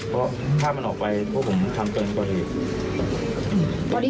เพราะถ้ามันออกไปพวกผมทำเกินกว่าเหตุ